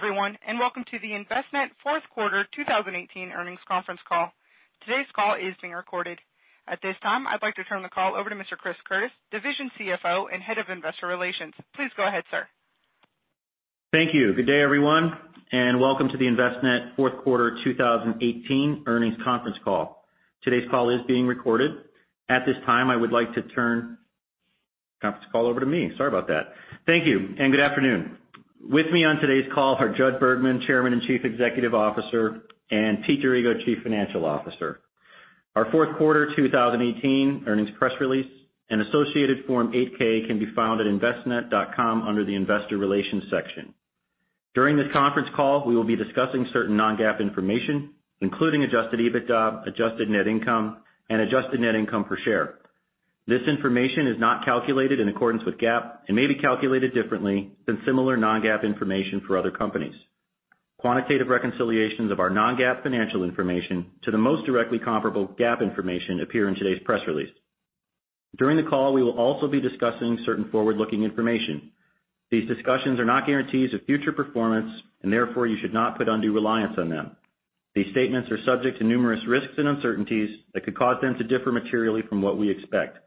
Good everyone, welcome to the Envestnet fourth quarter 2018 earnings conference call. Today's call is being recorded. At this time, I'd like to turn the call over to Mr. Chris Curtis, Division CFO and Head of Investor Relations. Please go ahead, sir. Thank you. Good day, everyone, welcome to the Envestnet fourth quarter 2018 earnings conference call. Today's call is being recorded. At this time, I would like to turn the conference call over to me. Sorry about that. Thank you, good afternoon. With me on today's call are Judson Bergman, Chairman and Chief Executive Officer, and Peter D'Arrigo, Chief Financial Officer. Our fourth quarter 2018 earnings press release and associated Form 8-K can be found at envestnet.com under the Investor Relations section. During this conference call, we will be discussing certain non-GAAP information, including Adjusted EBITDA, adjusted net income, and adjusted net income per share. This information is not calculated in accordance with GAAP and may be calculated differently than similar non-GAAP information for other companies. Quantitative reconciliations of our non-GAAP financial information to the most directly comparable GAAP information appear in today's press release. During the call, we will also be discussing certain forward-looking information. These discussions are not guarantees of future performance, therefore you should not put undue reliance on them. These statements are subject to numerous risks and uncertainties that could cause them to differ materially from what we expect.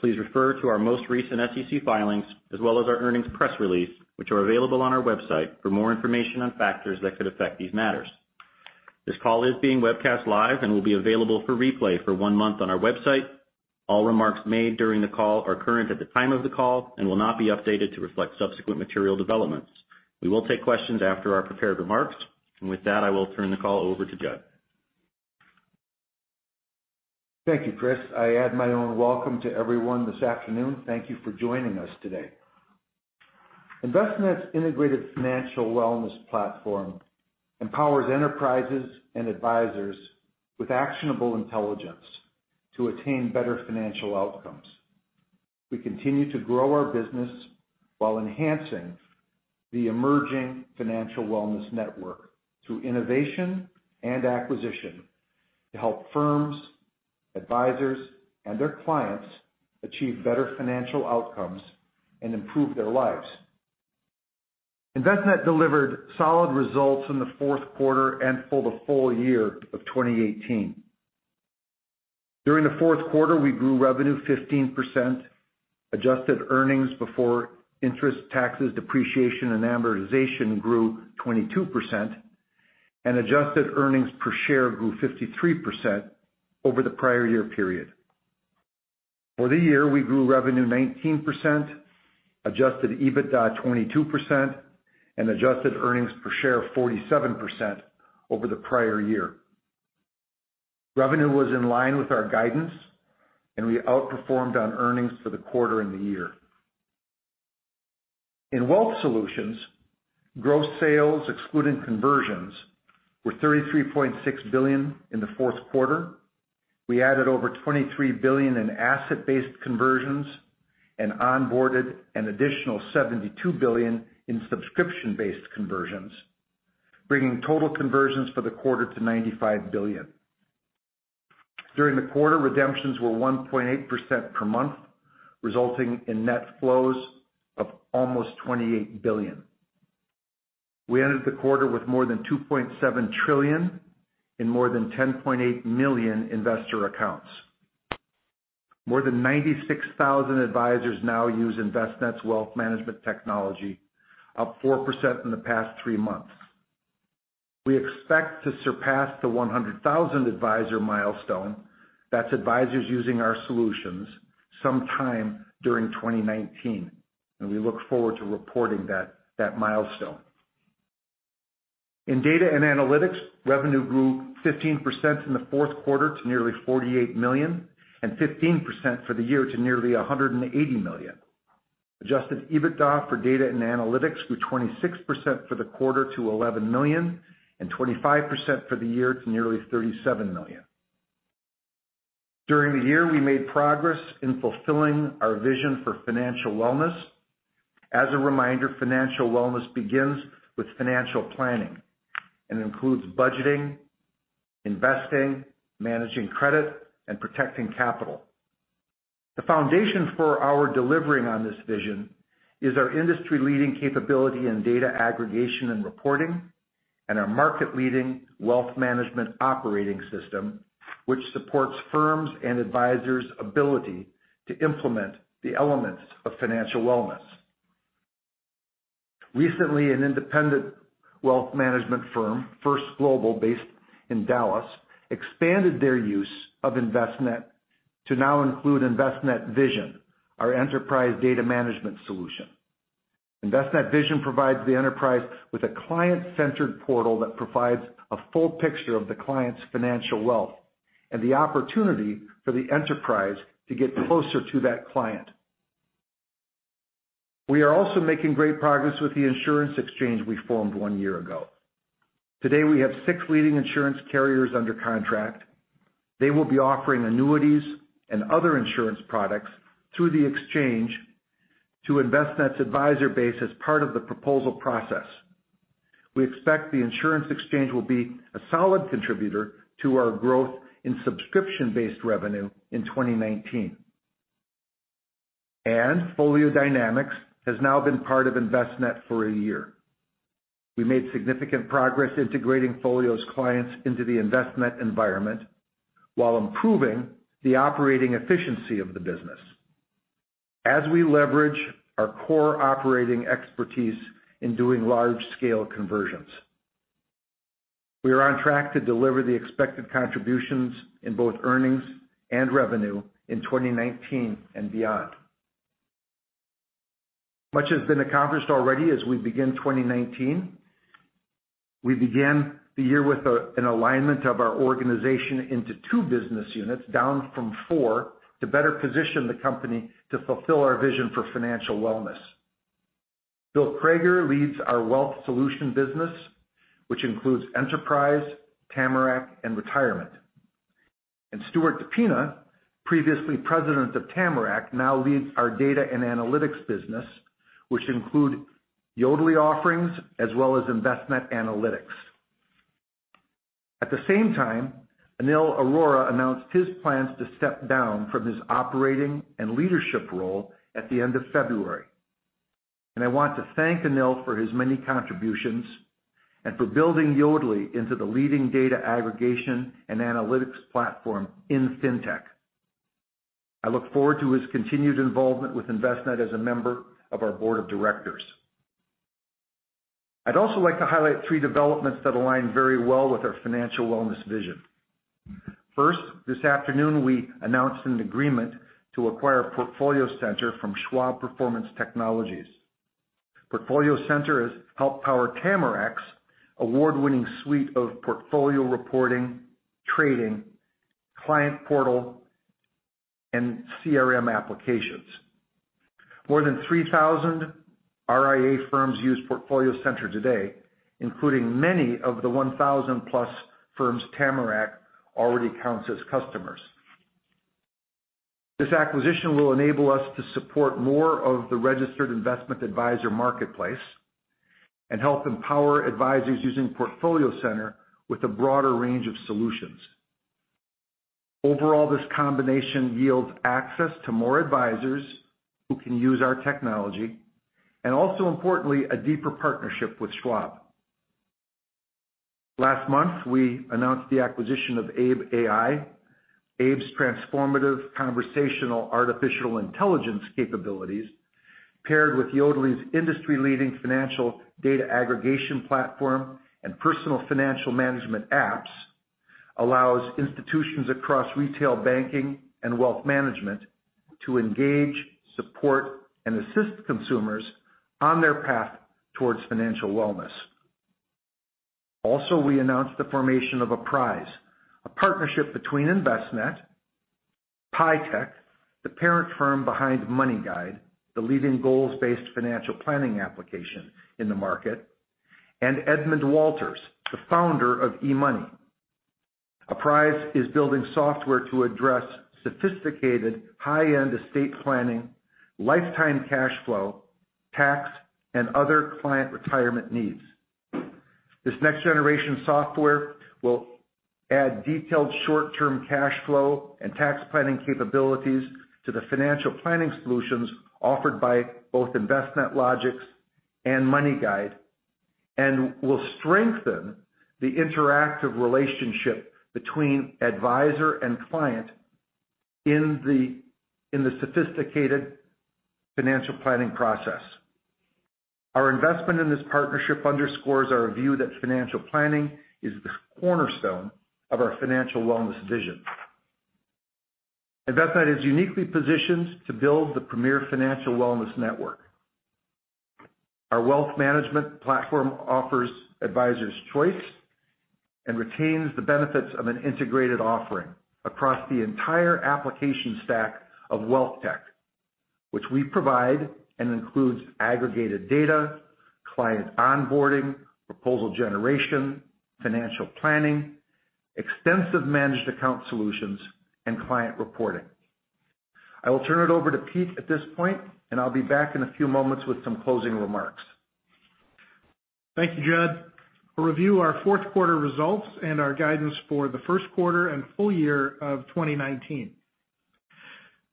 Please refer to our most recent SEC filings as well as our earnings press release, which are available on our website for more information on factors that could affect these matters. This call is being webcast live and will be available for replay for one month on our website. All remarks made during the call are current at the time of the call and will not be updated to reflect subsequent material developments. We will take questions after our prepared remarks, with that, I will turn the call over to Jud. Thank you, Chris. I add my own welcome to everyone this afternoon. Thank you for joining us today. Envestnet's integrated financial wellness platform empowers enterprises and advisors with actionable intelligence to attain better financial outcomes. We continue to grow our business while enhancing the emerging financial wellness network through innovation and acquisition to help firms, advisors, and their clients achieve better financial outcomes and improve their lives. Envestnet delivered solid results in the fourth quarter and for the full year of 2018. During the fourth quarter, we grew revenue 15%, adjusted earnings before interest, taxes, depreciation, and amortization grew 22%, adjusted earnings per share grew 53% over the prior year period. For the year, we grew revenue 19%, Adjusted EBITDA 22%, adjusted earnings per share 47% over the prior year. Revenue was in line with our guidance, we outperformed on earnings for the quarter and the year. In wealth solutions, gross sales excluding conversions were $33.6 billion in the fourth quarter. We added over $23 billion in asset-based conversions and onboarded an additional $72 billion in subscription-based conversions, bringing total conversions for the quarter to $95 billion. During the quarter, redemptions were 1.8% per month, resulting in net flows of almost $28 billion. We ended the quarter with more than $2.7 trillion in more than 10.8 million investor accounts. More than 96,000 advisors now use Envestnet's wealth management technology, up 4% in the past three months. We expect to surpass the 100,000 advisor milestone, that is advisors using our solutions, sometime during 2019, and we look forward to reporting that milestone. In Data and Analytics, revenue grew 15% in the fourth quarter to nearly $48 million and 15% for the year to nearly $180 million. Adjusted EBITDA for Data and Analytics grew 26% for the quarter to $11 million and 25% for the year to nearly $37 million. During the year, we made progress in fulfilling our vision for financial wellness. As a reminder, financial wellness begins with financial planning and includes budgeting, investing, managing credit, and protecting capital. The foundation for our delivering on this vision is our industry-leading capability in data aggregation and reporting and our market-leading wealth management operating system, which supports firms' and advisors' ability to implement the elements of financial wellness. Recently, an independent wealth management firm, 1st Global, based in Dallas, expanded their use of Envestnet to now include Envestnet Vision, our enterprise data management solution. Envestnet Vision provides the enterprise with a client-centered portal that provides a full picture of the client's financial wealth and the opportunity for the enterprise to get closer to that client. We are also making great progress with the insurance exchange we formed one year ago. Today, we have six leading insurance carriers under contract. They will be offering annuities and other insurance products through the exchange to Envestnet's advisor base as part of the proposal process. We expect the insurance exchange will be a solid contributor to our growth in subscription-based revenue in 2019. FolioDynamix has now been part of Envestnet for a year. We made significant progress integrating Folio's clients into the Envestnet environment while improving the operating efficiency of the business as we leverage our core operating expertise in doing large-scale conversions. We are on track to deliver the expected contributions in both earnings and revenue in 2019 and beyond. Much has been accomplished already as we begin 2019. We began the year with an alignment of our organization into two business units, down from four, to better position the company to fulfill our vision for financial wellness. Bill Crager leads our Wealth Solutions business, which includes Enterprise, Tamarac, and Retirement. Stuart DePina, previously president of Tamarac, now leads our Data and Analytics business, which include Yodlee offerings as well as Envestnet Analytics. At the same time, Anil Arora announced his plans to step down from his operating and leadership role at the end of February. I want to thank Anil for his many contributions and for building Yodlee into the leading data aggregation and analytics platform in Fintech. I look forward to his continued involvement with Envestnet as a member of our board of directors. I'd also like to highlight three developments that align very well with our financial wellness vision. First, this afternoon we announced an agreement to acquire PortfolioCenter from Schwab Performance Technologies. PortfolioCenter has helped power Tamarac's award-winning suite of portfolio reporting, trading, client portal, and CRM applications. More than 3,000 RIA firms use PortfolioCenter today, including many of the 1,000-plus firms Tamarac already counts as customers. This acquisition will enable us to support more of the registered investment advisor marketplace and help empower advisors using PortfolioCenter with a broader range of solutions. Overall, this combination yields access to more advisors who can use our technology, also importantly, a deeper partnership with Schwab. Last month, we announced the acquisition of Abe AI. Abe's transformative conversational artificial intelligence capabilities paired with Yodlee's industry-leading financial data aggregation platform and personal financial management apps allows institutions across retail banking and wealth management to engage, support, and assist consumers on their path towards financial wellness. We announced the formation of Apprise, a partnership between Envestnet, PIEtech, the parent firm behind MoneyGuide, the leading goals-based financial planning application in the market, and Edmond Walters, the founder of eMoney. Apprise is building software to address sophisticated high-end estate planning, lifetime cash flow, tax, and other client retirement needs. This next-generation software will add detailed short-term cash flow and tax planning capabilities to the financial planning solutions offered by both Envestnet|Logix and MoneyGuide, will strengthen the interactive relationship between advisor and client in the sophisticated financial planning process. Our investment in this partnership underscores our view that financial planning is the cornerstone of our financial wellness vision. Envestnet is uniquely positioned to build the premier financial wellness network. Our wealth management platform offers advisors choice and retains the benefits of an integrated offering across the entire application stack of wealth tech, which we provide, and includes aggregated data, client onboarding, proposal generation, financial planning, extensive managed account solutions, and client reporting. I will turn it over to Pete at this point, and I'll be back in a few moments with some closing remarks. Thank you, Judd. We'll review our fourth quarter results and our guidance for the first quarter and full year of 2019.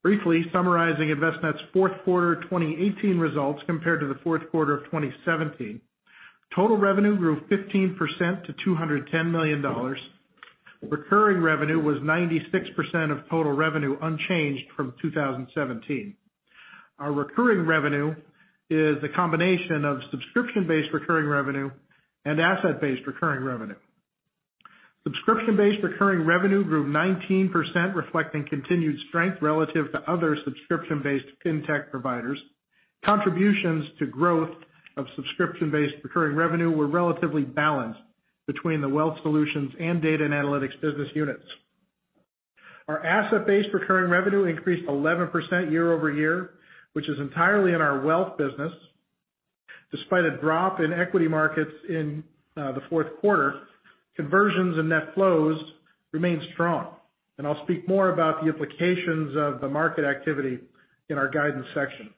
Briefly summarizing Envestnet's fourth quarter 2018 results compared to the fourth quarter of 2017, total revenue grew 15% to $210 million. Recurring revenue was 96% of total revenue, unchanged from 2017. Our recurring revenue is a combination of subscription-based recurring revenue and asset-based recurring revenue. Subscription-based recurring revenue grew 19%, reflecting continued strength relative to other subscription-based Fintech providers. Contributions to growth of subscription-based recurring revenue were relatively balanced between the wealth solutions and data and analytics business units. Our asset-based recurring revenue increased 11% year-over-year, which is entirely in our wealth business. Despite a drop in equity markets in the fourth quarter, conversions and net flows remained strong. I'll speak more about the implications of the market activity in our guidance section.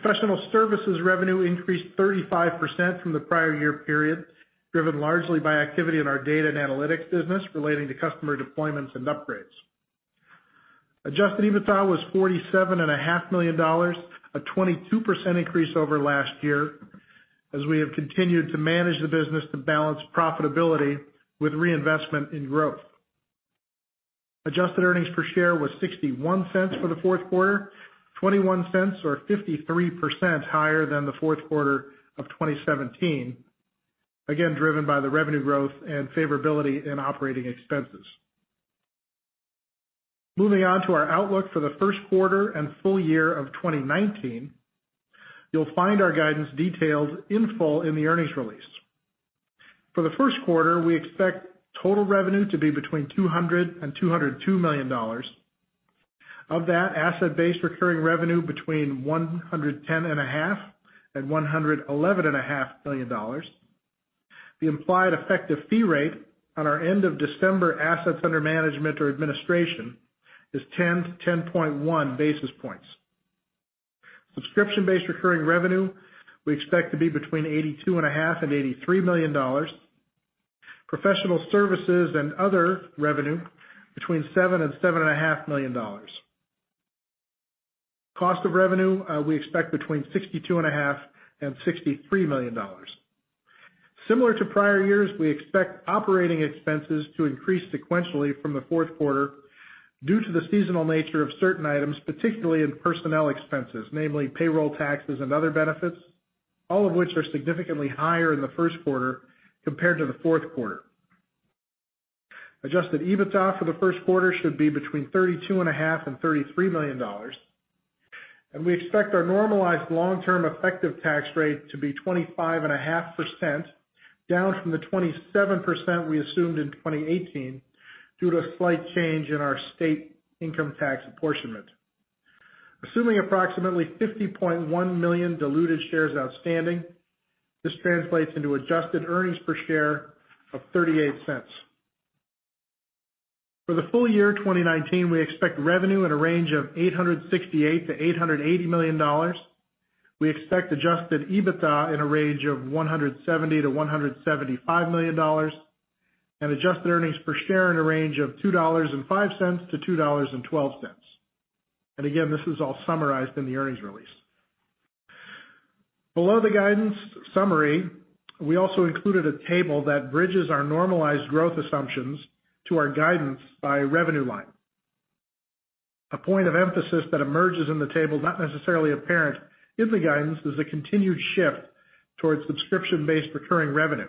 Professional services revenue increased 35% from the prior year period, driven largely by activity in our Data and Analytics business relating to customer deployments and upgrades. Adjusted EBITDA was $47.5 million, a 22% increase over last year, as we have continued to manage the business to balance profitability with reinvestment in growth. Adjusted earnings per share was $0.61 for the fourth quarter, $0.21 or 53% higher than the fourth quarter of 2017, again, driven by the revenue growth and favorability in operating expenses. Moving on to our outlook for the first quarter and full year of 2019. You'll find our guidance details in full in the earnings release. For the first quarter, we expect total revenue to be between $200 million-$202 million. Of that asset base, recurring revenue between $110.5 million-$111.5 million. The implied effective fee rate on our end of December assets under management or administration is 10-10.1 basis points. Subscription-based recurring revenue, we expect to be between $82.5 million-$83 million. Professional services and other revenue, between $7 million-$7.5 million. Cost of revenue, we expect between $62.5 million-$63 million. Similar to prior years, we expect operating expenses to increase sequentially from the fourth quarter due to the seasonal nature of certain items, particularly in personnel expenses, namely payroll taxes and other benefits, all of which are significantly higher in the first quarter compared to the fourth quarter. Adjusted EBITDA for the first quarter should be between $32.5 million-$33 million. We expect our normalized long-term effective tax rate to be 25.5%, down from the 27% we assumed in 2018, due to a slight change in our state income tax apportionment. Assuming approximately 50.1 million diluted shares outstanding, this translates into adjusted earnings per share of $0.38. For the full year 2019, we expect revenue in a range of $868 million-$880 million. We expect Adjusted EBITDA in a range of $170 million-$175 million, and adjusted earnings per share in a range of $2.05-$2.12. Again, this is all summarized in the earnings release. Below the guidance summary, we also included a table that bridges our normalized growth assumptions to our guidance by revenue line. A point of emphasis that emerges in the table, not necessarily apparent in the guidance, is the continued shift towards subscription-based recurring revenue.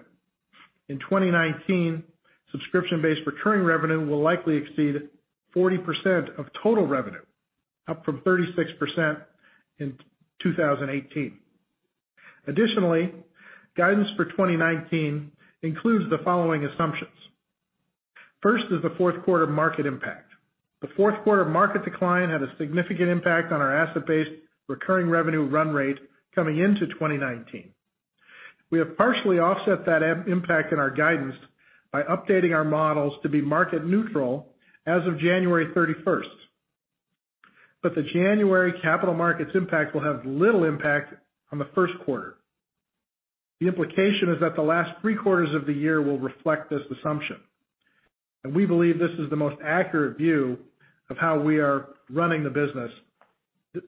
In 2019, subscription-based recurring revenue will likely exceed 40% of total revenue, up from 36% in 2018. Additionally, guidance for 2019 includes the following assumptions. First is the fourth quarter market impact. The fourth quarter market decline had a significant impact on our asset-based recurring revenue run rate coming into 2019. We have partially offset that impact in our guidance by updating our models to be market neutral as of January 31st. The January capital markets impact will have little impact on the first quarter. The implication is that the last three quarters of the year will reflect this assumption, and we believe this is the most accurate view of how we are running the business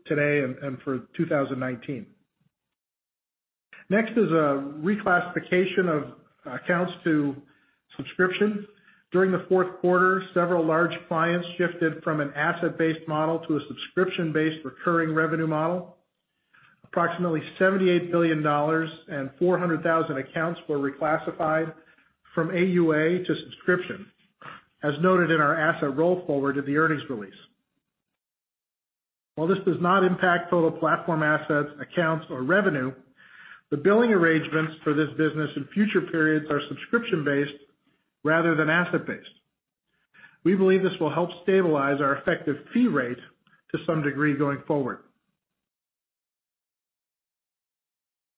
today and for 2019. Next is a reclassification of accounts to subscription. During the fourth quarter, several large clients shifted from an asset-based model to a subscription-based recurring revenue model. Approximately $78 million and 400,000 accounts were reclassified from AUA to subscription, as noted in our asset roll forward in the earnings release. While this does not impact total platform assets, accounts, or revenue, the billing arrangements for this business in future periods are subscription-based rather than asset-based. We believe this will help stabilize our effective fee rate to some degree going forward.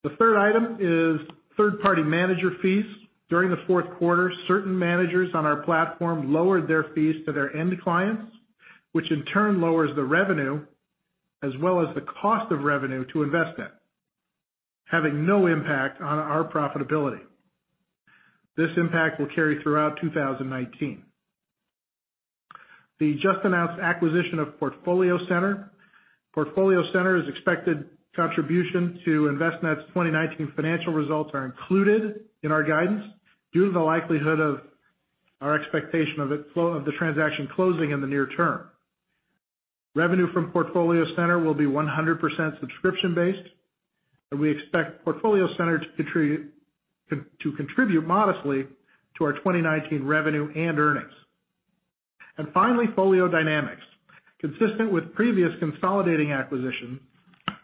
The third item is third-party manager fees. During the fourth quarter, certain managers on our platform lowered their fees to their end clients, which in turn lowers the revenue as well as the cost of revenue to Envestnet, having no impact on our profitability. This impact will carry throughout 2019. The just announced acquisition of PortfolioCenter. PortfolioCenter's expected contribution to Envestnet's 2019 financial results are included in our guidance due to the likelihood of our expectation of the transaction closing in the near term. Revenue from PortfolioCenter will be 100% subscription-based, we expect PortfolioCenter to contribute modestly to our 2019 revenue and earnings. Finally, FolioDynamix. Consistent with previous consolidating acquisition,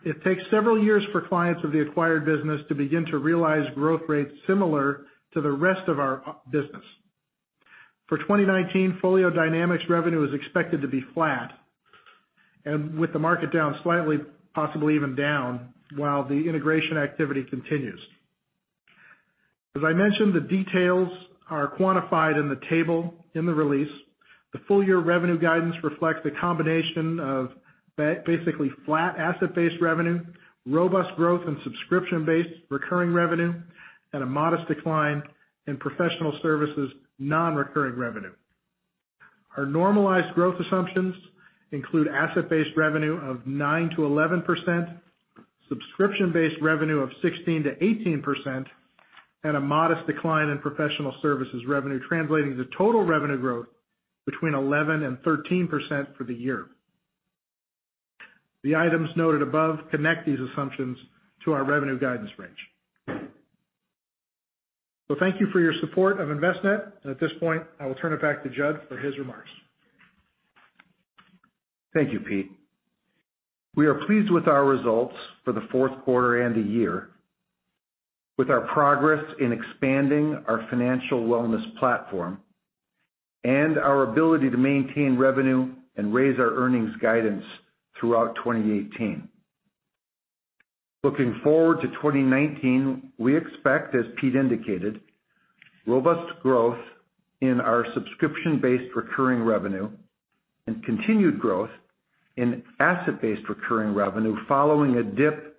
it takes several years for clients of the acquired business to begin to realize growth rates similar to the rest of our business. For 2019, FolioDynamix revenue is expected to be flat, with the market down slightly, possibly even down, while the integration activity continues. As I mentioned, the details are quantified in the table in the release. The full-year revenue guidance reflects the combination of basically flat asset-based revenue, robust growth in subscription-based recurring revenue, and a modest decline in professional services non-recurring revenue. Our normalized growth assumptions include asset-based revenue of 9%-11%, subscription-based revenue of 16%-18%, and a modest decline in professional services revenue, translating to total revenue growth between 11% and 13% for the year. The items noted above connect these assumptions to our revenue guidance range. Thank you for your support of Envestnet, and at this point, I will turn it back to Judd for his remarks. Thank you, Pete. We are pleased with our results for the fourth quarter and the year, with our progress in expanding our financial wellness platform and our ability to maintain revenue and raise our earnings guidance throughout 2018. Looking forward to 2019, we expect, as Pete indicated, robust growth in our subscription-based recurring revenue and continued growth in asset-based recurring revenue, following a dip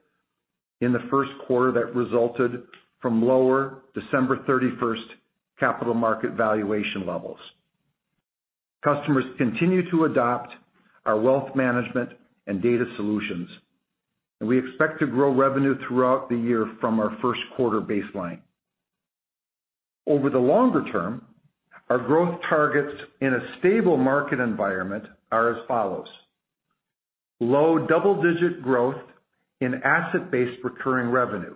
in the first quarter that resulted from lower December 31st capital market valuation levels. Customers continue to adopt our wealth management and data solutions, and we expect to grow revenue throughout the year from our first-quarter baseline. Over the longer term, our growth targets in a stable market environment are as follows: low double-digit growth in asset-based recurring revenue,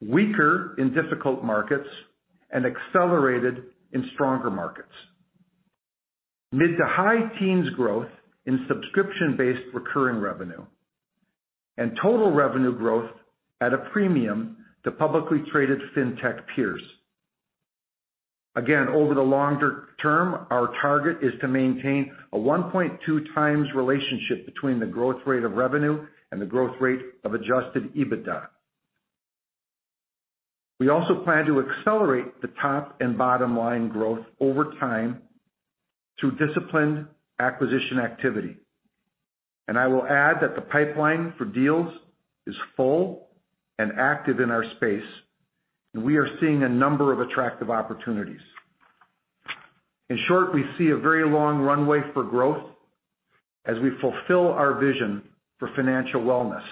weaker in difficult markets and accelerated in stronger markets, mid to high teens growth in subscription-based recurring revenue, total revenue growth at a premium to publicly traded Fintech peers. Again, over the longer term, our target is to maintain a 1.2 times relationship between the growth rate of revenue and the growth rate of Adjusted EBITDA. We also plan to accelerate the top and bottom line growth over time through disciplined acquisition activity. I will add that the pipeline for deals is full and active in our space, we are seeing a number of attractive opportunities. In short, we see a very long runway for growth as we fulfill our vision for financial wellness.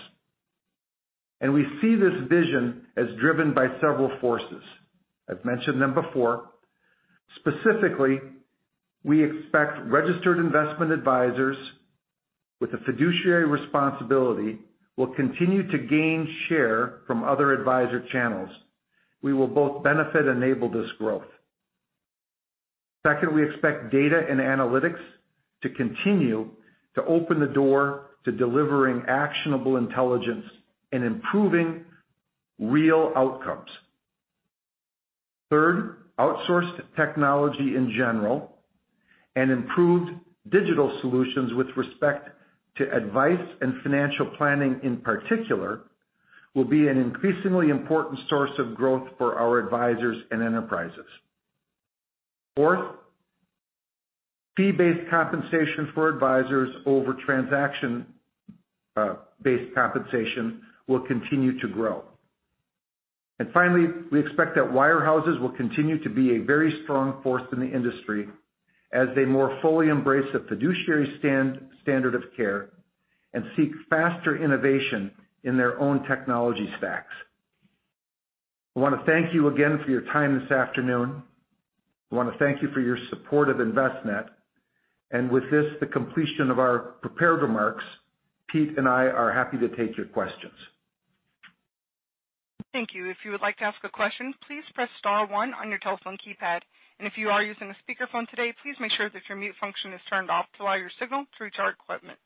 We see this vision as driven by several forces. I've mentioned them before. Specifically, we expect registered investment advisors with a fiduciary responsibility will continue to gain share from other advisor channels. We will both benefit and enable this growth. Second, we expect data and analytics to continue to open the door to delivering actionable intelligence and improving real outcomes. Third, outsourced technology in general and improved digital solutions with respect to advice and financial planning, in particular, will be an increasingly important source of growth for our advisors and enterprises. Fourth, fee-based compensation for advisors over transaction-based compensation will continue to grow. Finally, we expect that wire houses will continue to be a very strong force in the industry as they more fully embrace a fiduciary standard of care and seek faster innovation in their own technology stacks. I want to thank you again for your time this afternoon. I want to thank you for your support of Envestnet. With this, the completion of our prepared remarks, Pete and I are happy to take your questions. Thank you. If you would like to ask a question, please press star 1 on your telephone keypad. If you are using a speakerphone today, please make sure that your mute function is turned off to allow your signal through to our equipment.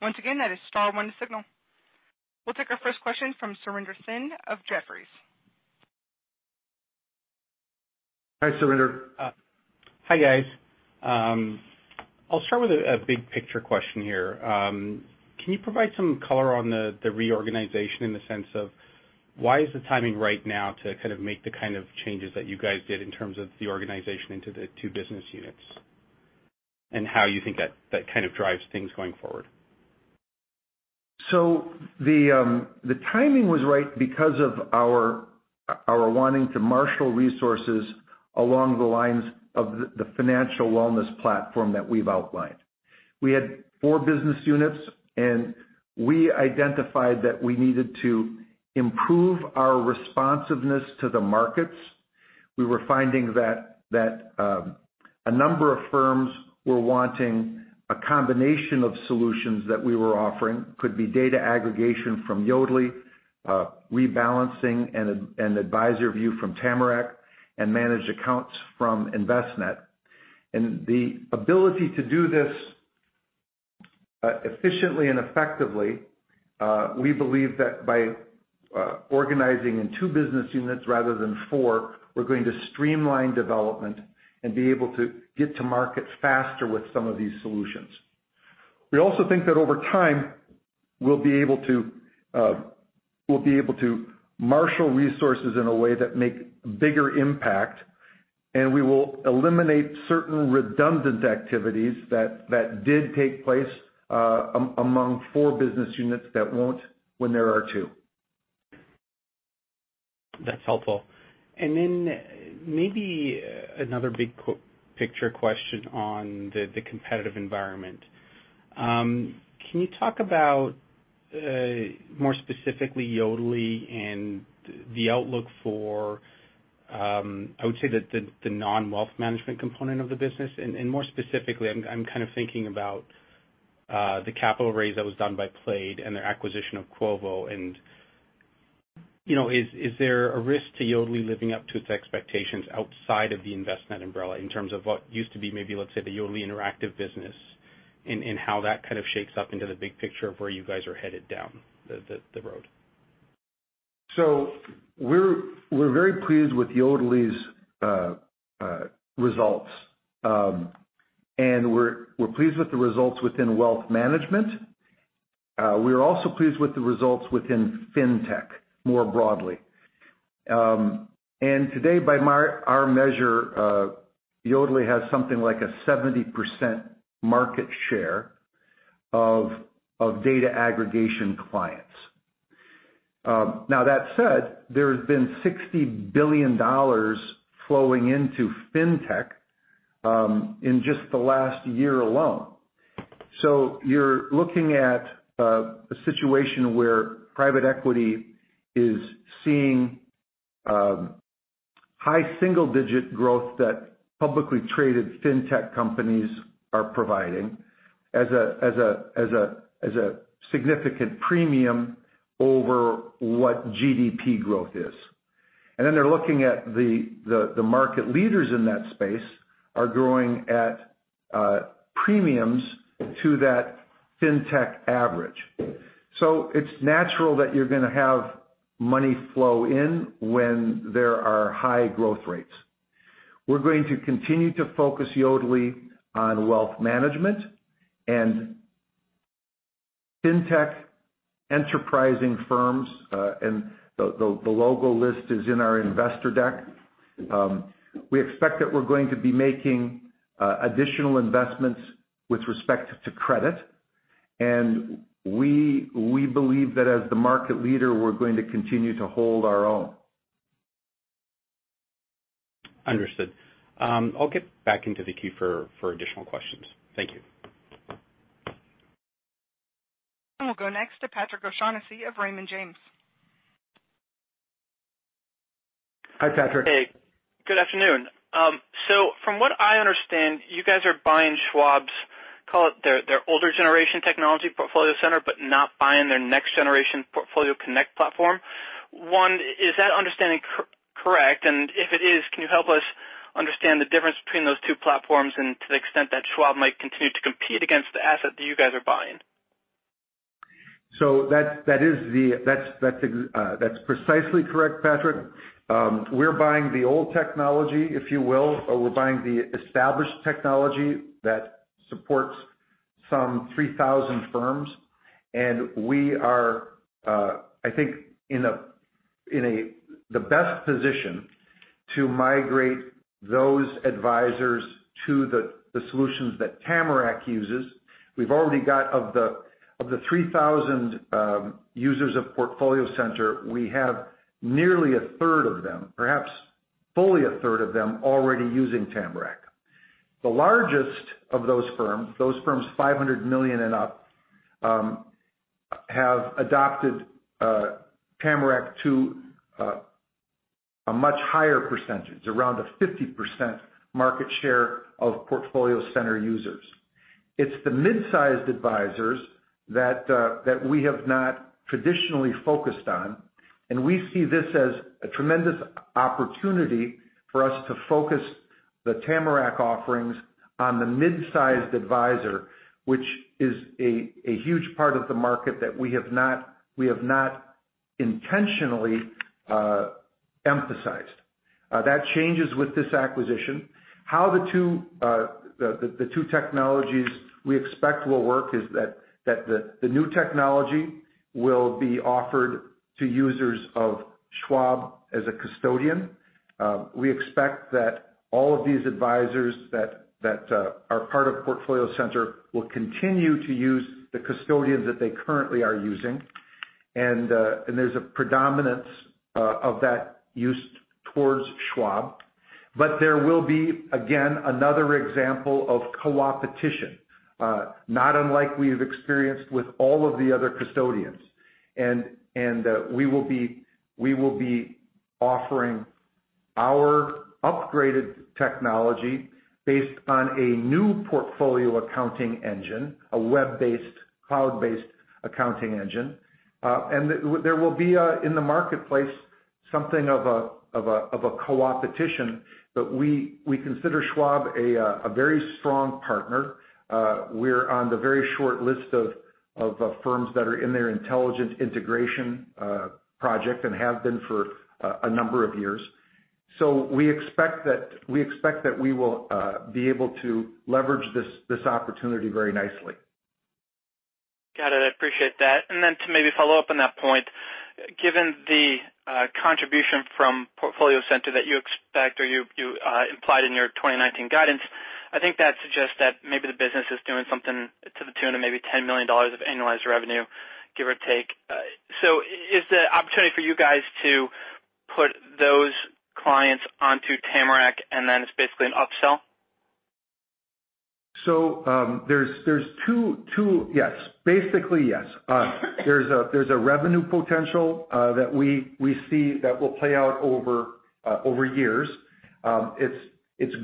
Once again, that is star 1 to signal. We'll take our first question from Surinder Thind of Jefferies. Hi, Surinder. Hi, guys. I'll start with a big-picture question here. Can you provide some color on the reorganization in the sense of why is the timing right now to make the kind of changes that you guys did in terms of the organization into the two business units, and how you think that kind of drives things going forward? The timing was right because of our wanting to marshal resources along the lines of the financial wellness platform that we've outlined. We had four business units, and we identified that we needed to improve our responsiveness to the markets. We were finding that a number of firms were wanting a combination of solutions that we were offering. Could be data aggregation from Yodlee, rebalancing and advisor view from Tamarac, and managed accounts from Envestnet. The ability to do this efficiently and effectively, we believe that by organizing in two business units rather than four, we're going to streamline development and be able to get to markets faster with some of these solutions. We also think that over time, we'll be able to marshal resources in a way that make bigger impact, and we will eliminate certain redundant activities that did take place among four business units that won't when there are two. That's helpful. Maybe another big picture question on the competitive environment. Can you talk about more specifically Yodlee and the outlook for, I would say the non-wealth management component of the business? More specifically, I'm kind of thinking about the capital raise that was done by Plaid and their acquisition of Quovo and is there a risk to Yodlee living up to its expectations outside of the Envestnet umbrella in terms of what used to be, maybe, let's say the Yodlee interactive business, and how that kind of shakes up into the big picture of where you guys are headed down the road. We're very pleased with Yodlee's results. We're pleased with the results within wealth management. We are also pleased with the results within fintech, more broadly. Today, by our measure, Yodlee has something like a 70% market share of data aggregation clients. That said, there has been $60 billion flowing into fintech, in just the last year alone. You're looking at a situation where private equity is seeing high single-digit growth that publicly traded fintech companies are providing as a significant premium over what GDP growth is. They're looking at the market leaders in that space are growing at premiums to that fintech average. It's natural that you're going to have money flow in when there are high growth rates. We're going to continue to focus Yodlee on wealth management and fintech enterprising firms, and the logo list is in our investor deck. We expect that we're going to be making additional investments with respect to credit, and we believe that as the market leader, we're going to continue to hold our own. Understood. I'll get back into the queue for additional questions. Thank you. We'll go next to Patrick O'Shaughnessy of Raymond James. Hi, Patrick. Hey, good afternoon. From what I understand, you guys are buying Schwab's, call it their older generation technology PortfolioCenter, but not buying their next generation PortfolioConnect platform. Is that understanding correct? If it is, can you help us understand the difference between those two platforms and to the extent that Schwab might continue to compete against the asset that you guys are buying? That's precisely correct, Patrick. We're buying the old technology, if you will, or we're buying the established technology that supports some 3,000 firms. We are, I think in the best position to migrate those advisors to the solutions that Tamarac uses. We've already got of the 3,000 users of PortfolioCenter, we have nearly a third of them, perhaps fully a third of them already using Tamarac. The largest of those firms, those firms $500 million and up, have adopted Tamarac to a much higher percentage, around a 50% market share of PortfolioCenter users. It's the mid-sized advisors that we have not traditionally focused on. We see this as a tremendous opportunity for us to focus the Tamarac offerings on the mid-sized advisor, which is a huge part of the market that we have not intentionally emphasized. That changes with this acquisition. How the two technologies we expect will work is that the new technology will be offered to users of Schwab as a custodian. We expect that all of these advisors that are part of PortfolioCenter will continue to use the custodian that they currently are using. There's a predominance of that used towards Schwab. There will be, again, another example of co-opetition, not unlike we've experienced with all of the other custodians. We will be offering our upgraded technology based on a new portfolio accounting engine, a web-based, cloud-based accounting engine. There will be in the marketplace something of a co-opetition, but we consider Schwab a very strong partner. We're on the very short list of firms that are in their intelligence integration project and have been for a number of years. We expect that we will be able to leverage this opportunity very nicely. Got it. I appreciate that. Then to maybe follow up on that point, given the contribution from PortfolioCenter that you expect or you implied in your 2019 guidance, I think that suggests that maybe the business is doing something to the tune of maybe $10 million of annualized revenue, give or take. Is the opportunity for you guys to put those clients onto Tamarac and then it's basically an upsell? There's two Yes. Basically, yes. There's a revenue potential that we see that will play out over years. It's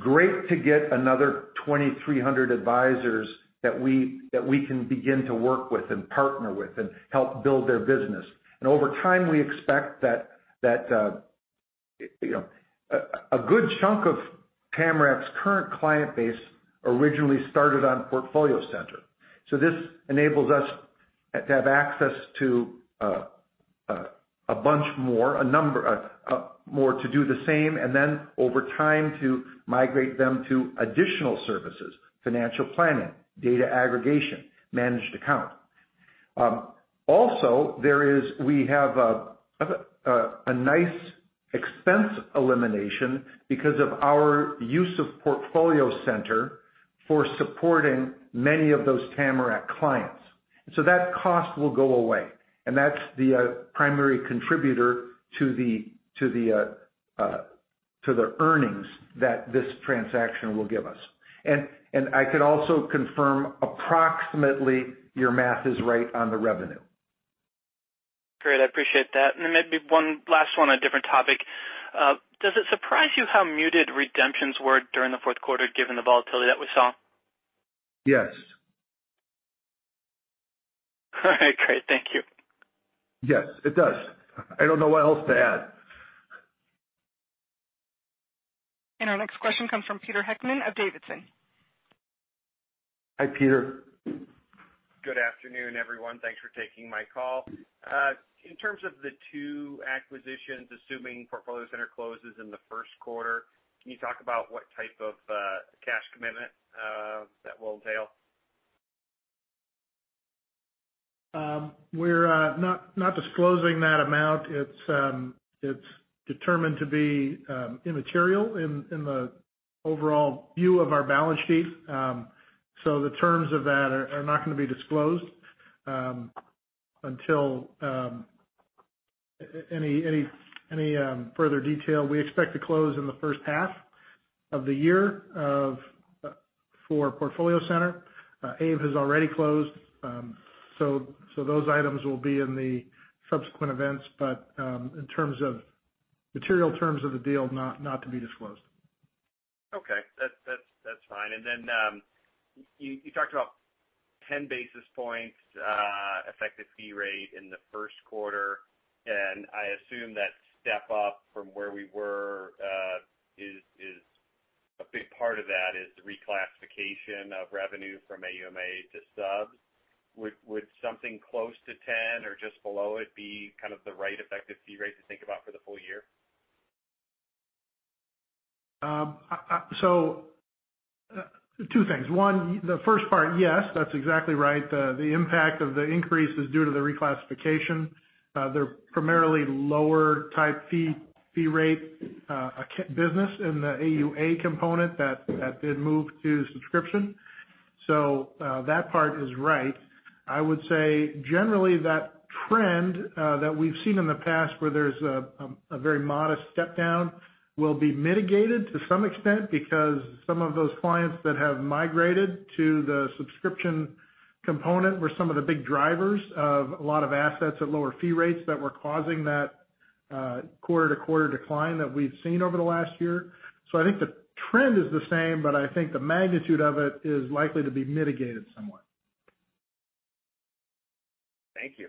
great to get another 2,300 advisors that we can begin to work with and partner with and help build their business. Over time, we expect that a good chunk of Tamarac's current client base originally started on PortfolioCenter. This enables us to have access to a bunch more, a number more to do the same, and then over time to migrate them to additional services, financial planning, data aggregation, managed account. Also, we have a nice expense elimination because of our use of PortfolioCenter for supporting many of those Tamarac clients. That cost will go away, and that's the primary contributor to the earnings that this transaction will give us. I could also confirm approximately your math is right on the revenue. Great. I appreciate that. Then maybe one last one, a different topic. Does it surprise you how muted redemptions were during the fourth quarter given the volatility that we saw? Yes. All right. Great. Thank you. Yes, it does. I don't know what else to add. Our next question comes from Peter Heckmann of Davidson. Hi, Peter. Good afternoon, everyone. Thanks for taking my call. In terms of the two acquisitions, assuming PortfolioCenter closes in the first quarter, can you talk about what type of cash commitment that will entail? We're not disclosing that amount. It's determined to be immaterial in the overall view of our balance sheet. The terms of that are not going to be disclosed, until any further detail. We expect to close in the first half of the year for PortfolioCenter. Abe AI has already closed. Those items will be in the subsequent events, but in terms of material terms of the deal, not to be disclosed. Okay. That's fine. Then, you talked about 10 basis points effective fee rate in the first quarter. I assume that step up from where we were is a big part of that is the reclassification of revenue from AUMA to subs. Would something close to 10 or just below it be kind of the right effective fee rate to think about for the full year? Two things. One, the first part, yes, that is exactly right. The impact of the increase is due to the reclassification. They are primarily lower type fee rate business in the AUA component that did move to subscription. That part is right. I would say generally that trend that we have seen in the past where there is a very modest step down will be mitigated to some extent because some of those clients that have migrated to the subscription component were some of the big drivers of a lot of assets at lower fee rates that were causing that quarter-over-quarter decline that we have seen over the last year. I think the trend is the same, but I think the magnitude of it is likely to be mitigated somewhat. Thank you.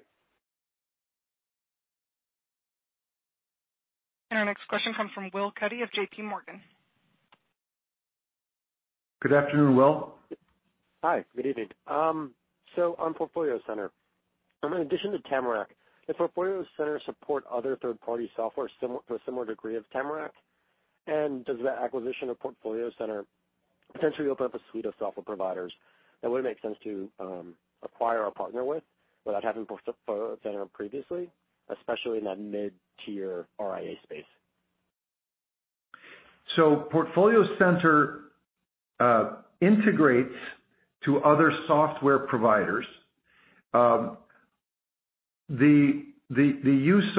Our next question comes from Will Cuddy of JPMorgan. Good afternoon, Will. Hi. Good evening. On PortfolioCenter, in addition to Tamarac, does PortfolioCenter support other third-party software to a similar degree as Tamarac? Does the acquisition of PortfolioCenter potentially open up a suite of software providers that would make sense to acquire or partner with without having PortfolioCenter previously, especially in that mid-tier RIA space? PortfolioCenter integrates to other software providers. The use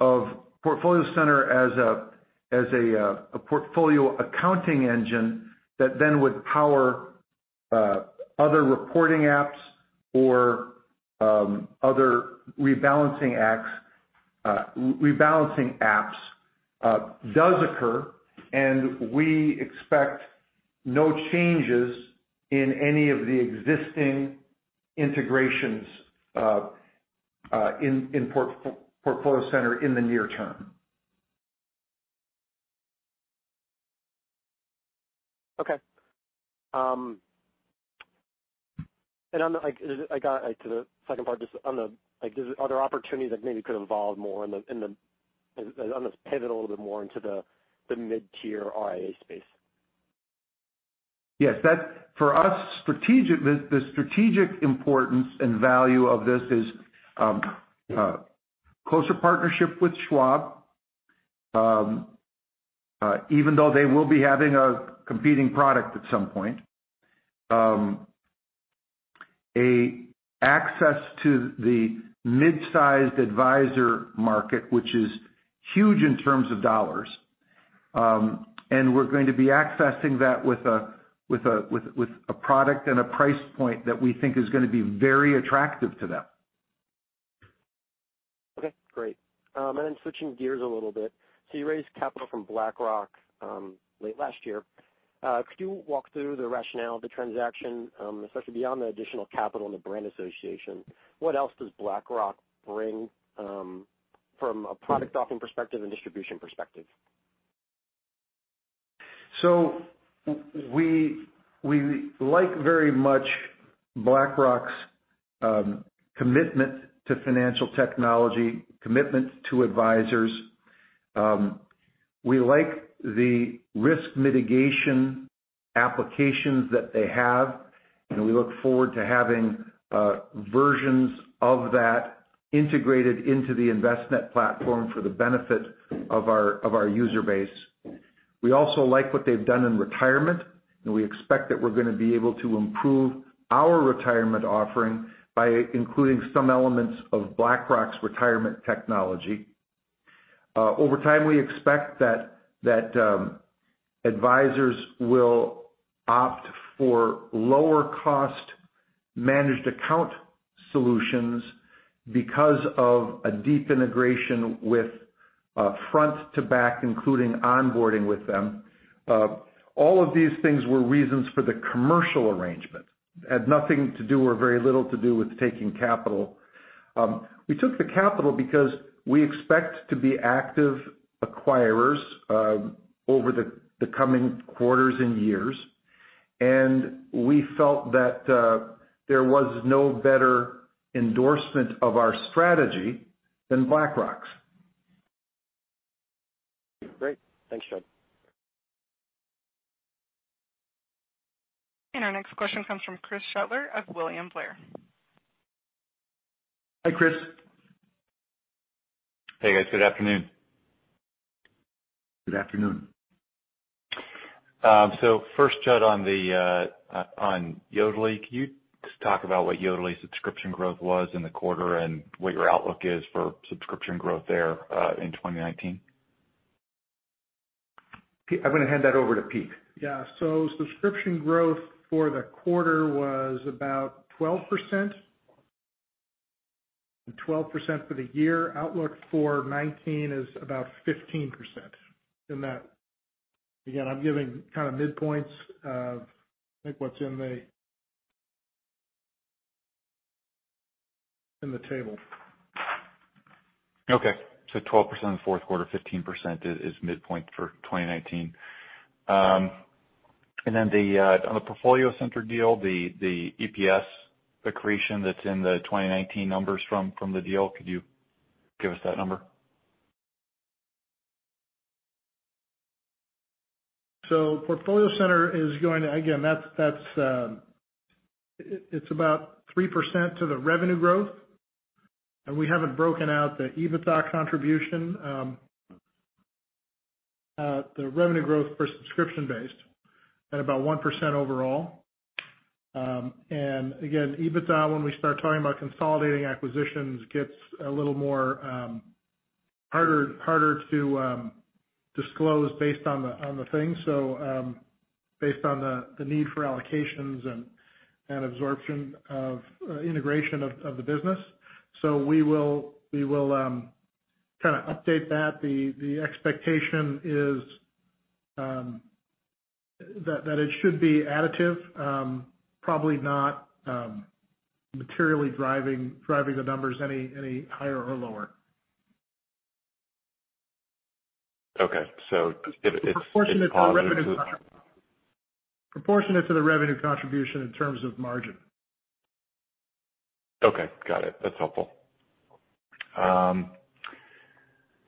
of PortfolioCenter as a portfolio accounting engine that then would power other reporting apps or other rebalancing apps does occur. We expect no changes in any of the existing integrations in PortfolioCenter in the near term. Okay. On the I got to the second part. On the, are there opportunities that maybe could evolve more on this pivot a little bit more into the mid-tier RIA space? Yes. For us, the strategic importance and value of this is, closer partnership with Schwab, even though they will be having a competing product at some point. Access to the mid-sized advisor market, which is huge in terms of dollars. We're going to be accessing that with a product and a price point that we think is going to be very attractive to them. Okay, great. Switching gears a little bit. You raised capital from BlackRock late last year. Could you walk through the rationale of the transaction, especially beyond the additional capital and the brand association? What else does BlackRock bring from a product offering perspective and distribution perspective? We like very much BlackRock's commitment to financial technology, commitment to advisors. We like the risk mitigation applications that they have, we look forward to having versions of that integrated into the Envestnet platform for the benefit of our user base. We also like what they've done in retirement, we expect that we're going to be able to improve our retirement offering by including some elements of BlackRock's retirement technology. Over time, we expect that advisors will opt for lower cost managed account solutions because of a deep integration with front to back, including onboarding with them. All of these things were reasons for the commercial arrangement. Had nothing to do or very little to do with taking capital. We took the capital because we expect to be active acquirers over the coming quarters and years, we felt that there was no better endorsement of our strategy than BlackRock's. Great. Thanks, Jud. Our next question comes from Chris Shutler of William Blair. Hi, Chris. Hey, guys. Good afternoon. Good afternoon. First, Jud, on Yodlee. Can you just talk about what Yodlee subscription growth was in the quarter and what your outlook is for subscription growth there, in 2019? Pete, I'm going to hand that over to Pete. Yeah. Subscription growth for the quarter was about 12%, and 12% for the year. Outlook for 2019 is about 15% in that. Again, I'm giving kind of midpoints of, I think what's in the table. Okay. 12% in the fourth quarter, 15% is midpoint for 2019. On the PortfolioCenter deal, the EPS accretion that's in the 2019 numbers from the deal, could you give us that number? PortfolioCenter is going to. Again, it's about 3% to the revenue growth, and we haven't broken out the EBITDA contribution. The revenue growth for subscription-based at about 1% overall. Again, EBITDA, when we start talking about consolidating acquisitions, gets a little more harder to disclose based on the thing. Based on the need for allocations and absorption of integration of the business. We will update that. The expectation is that it should be additive, probably not materially driving the numbers any higher or lower. Okay. If it's positive- Proportionate to the revenue contribution in terms of margin. Okay, got it. That's helpful.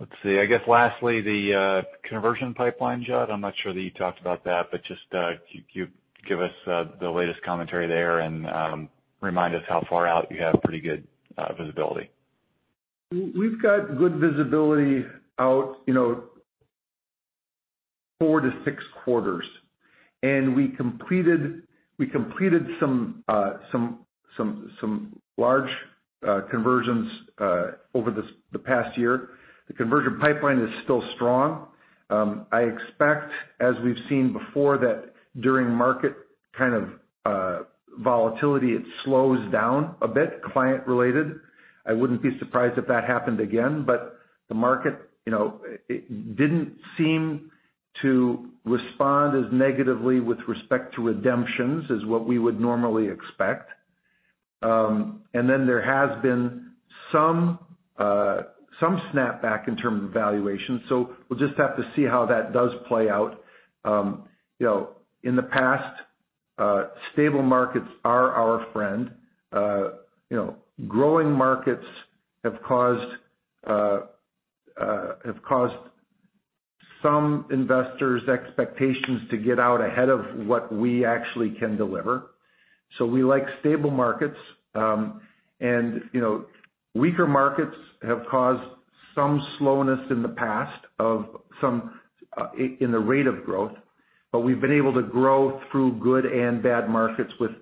Let's see. I guess lastly, the conversion pipeline, Jud. I'm not sure that you talked about that, but just could you give us the latest commentary there and remind us how far out you have pretty good visibility? We've got good visibility out four to six quarters, we completed some large conversions over the past year. The conversion pipeline is still strong. I expect, as we've seen before, that during market kind of volatility, it slows down a bit, client related. I wouldn't be surprised if that happened again. The market didn't seem to respond as negatively with respect to redemptions as what we would normally expect. Then there has been some snapback in terms of valuation. We'll just have to see how that does play out. In the past, stable markets are our friend. Growing markets have caused some investors' expectations to get out ahead of what we actually can deliver. We like stable markets. Weaker markets have caused some slowness in the past in the rate of growth, we've been able to grow through good and bad markets with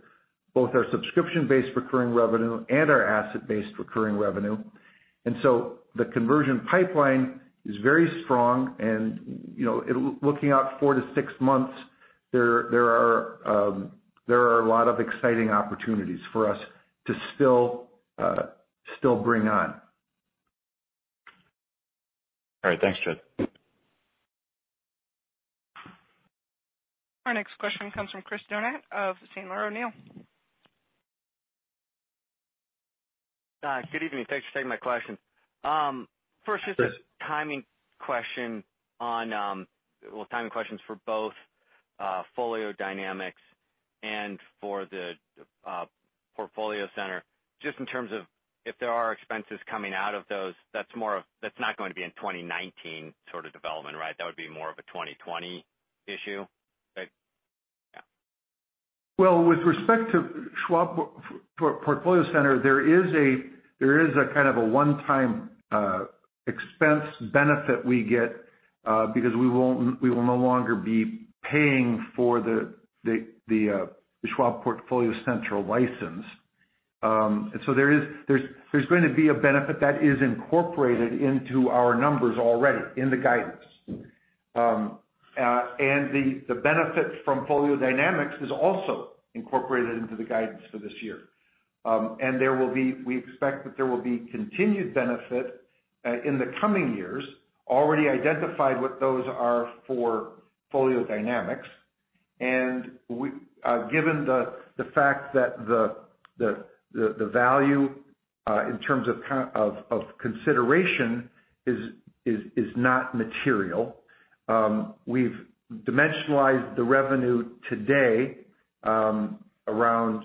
both our subscription-based recurring revenue and our asset-based recurring revenue. The conversion pipeline is very strong, looking out four to six months, there are a lot of exciting opportunities for us to still bring on. All right. Thanks, Jud. Our next question comes from Chris Donat of Sandler O'Neill. Good evening. Thanks for taking my question. Chris. First, just a timing question for both FolioDynamix and for the PortfolioCenter, just in terms of if there are expenses coming out of those, that's not going to be in 2019 sort of development, right? That would be more of a 2020 issue, right? Yeah. Well, with respect to Schwab PortfolioCenter, there is a kind of a one-time expense benefit we get because we will no longer be paying for the Schwab PortfolioCenter license. There's going to be a benefit that is incorporated into our numbers already in the guidance. The benefit from FolioDynamix is also incorporated into the guidance for this year. We expect that there will be continued benefit in the coming years, already identified what those are for FolioDynamix. Given the fact that the value in terms of consideration is not material, we've dimensionalized the revenue today around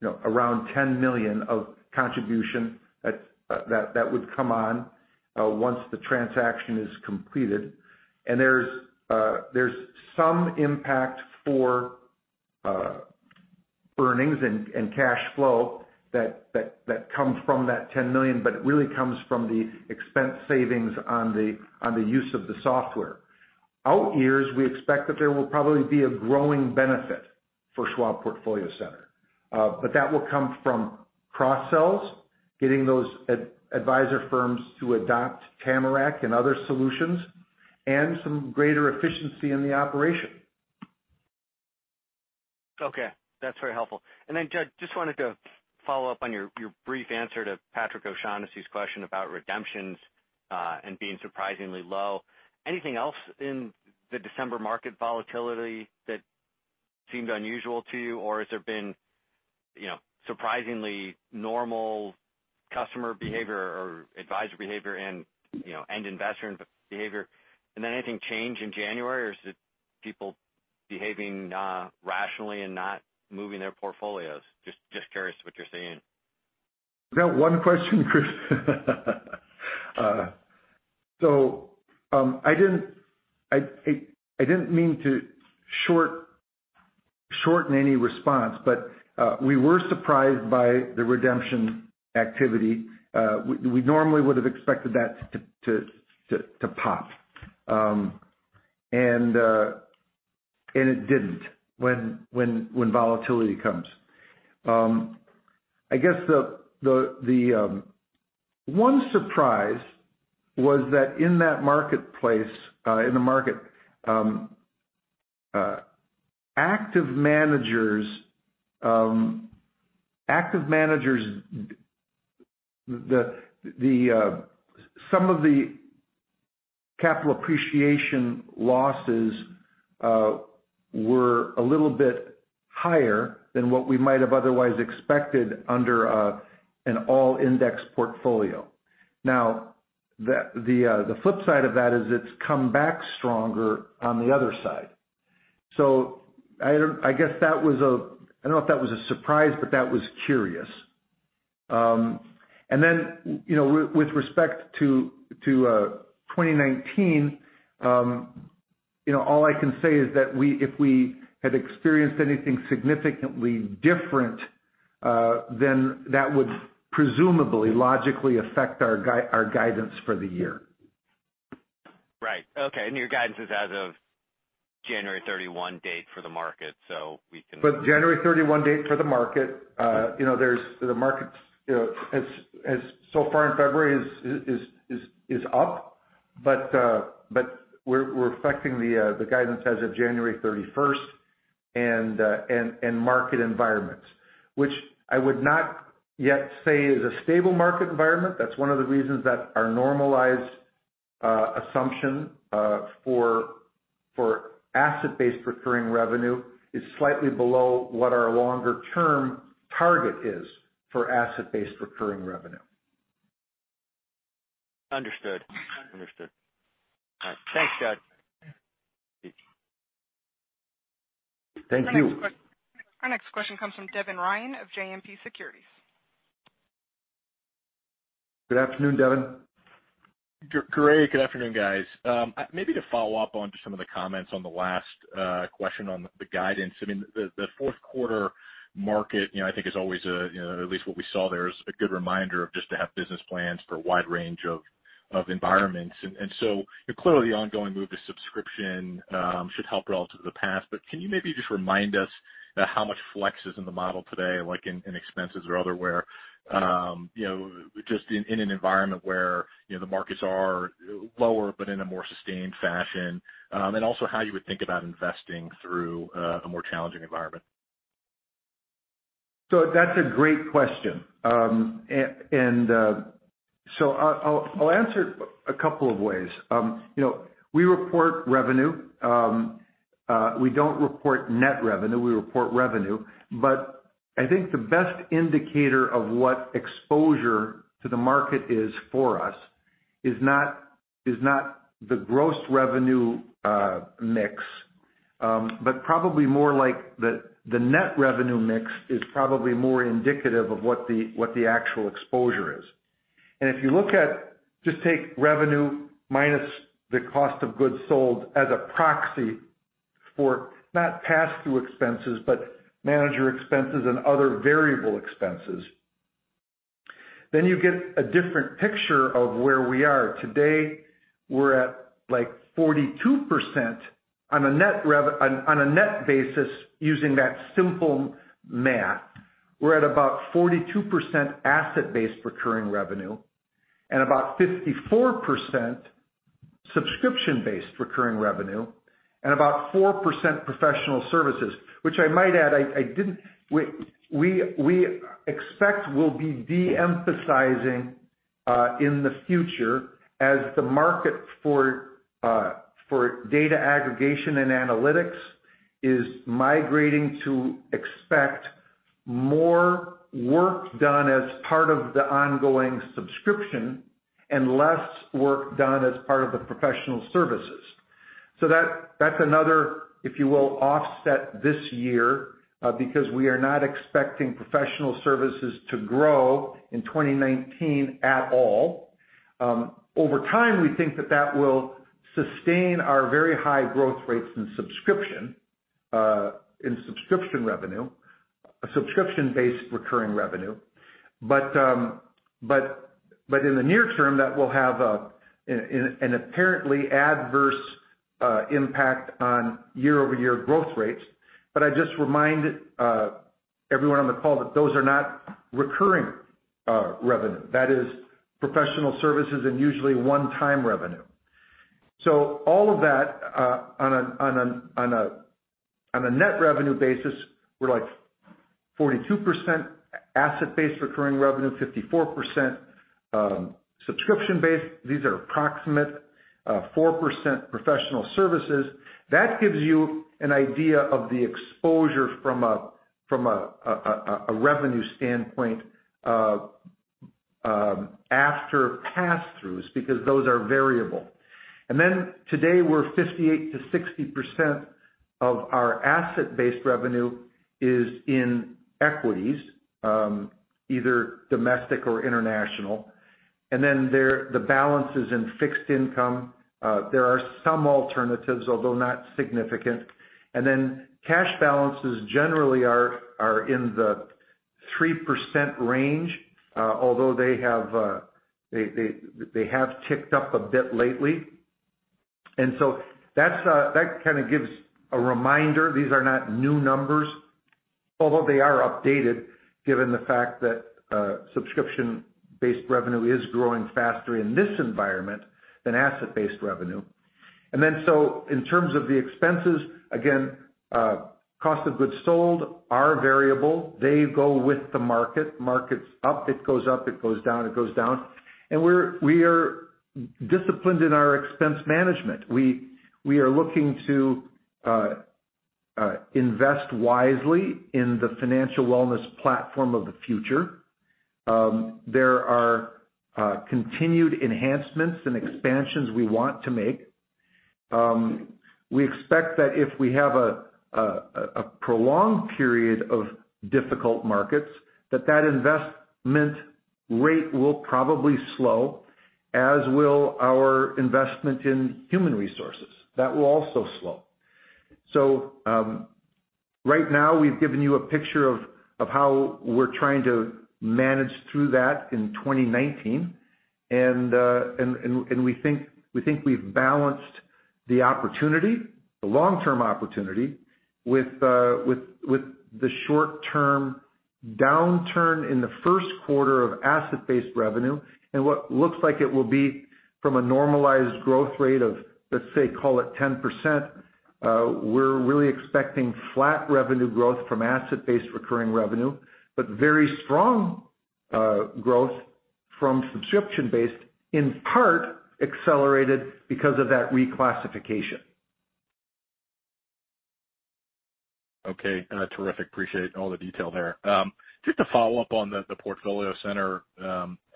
$10 million of contribution that would come on once the transaction is completed. There's some impact for earnings and cash flow that come from that $10 million, but it really comes from the expense savings on the use of the software. Out years, we expect that there will probably be a growing benefit for Schwab PortfolioCenter. That will come from cross-sells, getting those advisor firms to adopt Tamarac and other solutions, and some greater efficiency in the operation. Okay. That's very helpful. Judd, just wanted to follow up on your brief answer to Patrick O'Shaughnessy's question about redemptions and being surprisingly low. Anything else in the December market volatility that seemed unusual to you? Or has there been surprisingly normal customer behavior or advisor behavior and end investor behavior? Anything change in January? Or is it people behaving rationally and not moving their portfolios? Just curious what you're seeing. You got one question, Chris. I didn't mean to shorten any response, but we were surprised by the redemption activity. We normally would have expected that to pop, and it didn't when volatility comes. I guess the one surprise was that in that marketplace, in the market, active managers, some of the capital appreciation losses were a little bit higher than what we might have otherwise expected under an all index portfolio. The flip side of that is it's come back stronger on the other side. I don't know if that was a surprise, but that was curious. With respect to 2019, all I can say is that if we had experienced anything significantly different, that would presumably logically affect our guidance for the year. Right. Okay. Your guidance is as of January 31 date for the market, we can- January 31 date for the market. The market so far in February is up, but we're reflecting the guidance as of January 31st and market environments, which I would not yet say is a stable market environment. That's one of the reasons that our normalized assumption for asset-based recurring revenue is slightly below what our longer-term target is for asset-based recurring revenue. Understood. All right. Thanks, Jud. Thank you. Our next question comes from Devin Ryan of JMP Securities. Good afternoon, Devin. Great. Good afternoon, guys. Maybe to follow up on just some of the comments on the last question on the guidance. The fourth quarter market, I think is always, at least what we saw there, is a good reminder of just to have business plans for a wide range of environments. Clearly, the ongoing move to subscription should help relative to the past. Can you maybe just remind us how much flex is in the model today, like in expenses or other where, just in an environment where the markets are lower but in a more sustained fashion? How you would think about investing through a more challenging environment. That's a great question. I'll answer it a couple of ways. We report revenue. We don't report net revenue, we report revenue. I think the best indicator of what exposure to the market is for us is not the gross revenue mix, but probably more like the net revenue mix is probably more indicative of what the actual exposure is. If you look at, just take revenue minus the cost of goods sold as a proxy for not pass-through expenses, but manager expenses and other variable expenses, then you get a different picture of where we are. Today, we're at 42% on a net basis using that simple math. We're at about 42% asset-based recurring revenue and about 54% subscription-based recurring revenue and about 4% professional services. Which I might add, we expect we'll be de-emphasizing in the future as the market for data aggregation and analytics is migrating to expect more work done as part of the ongoing subscription and less work done as part of the professional services. That's another, if you will, offset this year because we are not expecting professional services to grow in 2019 at all. Over time, we think that that will sustain our very high growth rates in subscription-based recurring revenue. In the near term, that will have an apparently adverse impact on year-over-year growth rates. I just remind everyone on the call that those are not recurring revenue. That is professional services and usually one-time revenue. All of that on a net revenue basis, we're like 42% asset-based recurring revenue, 54% subscription-based. These are approximate 4% professional services. That gives you an idea of the exposure from a revenue standpoint after pass-throughs, because those are variable. Today, we're 58%-60% of our asset-based revenue is in equities, either domestic or international. The balance is in fixed income. There are some alternatives, although not significant. Cash balances generally are in the 3% range. Although they have ticked up a bit lately. That kind of gives a reminder. These are not new numbers, although they are updated given the fact that subscription-based revenue is growing faster in this environment than asset-based revenue. In terms of the expenses, again, cost of goods sold are variable. They go with the market. Market's up, it goes up. It goes down, it goes down. We are disciplined in our expense management. We are looking to invest wisely in the financial wellness platform of the future. There are continued enhancements and expansions we want to make. We expect that if we have a prolonged period of difficult markets, that that investment rate will probably slow, as will our investment in human resources. That will also slow. Right now, we've given you a picture of how we're trying to manage through that in 2019. We think we've balanced the long-term opportunity with the short-term downturn in the first quarter of asset-based revenue and what looks like it will be from a normalized growth rate of, let's say, call it 10%. We're really expecting flat revenue growth from asset-based recurring revenue, but very strong growth from subscription-based, in part accelerated because of that reclassification. Okay. Terrific. Appreciate all the detail there. Just to follow up on the PortfolioCenter